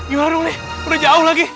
yaudah ruli udah jauh lagi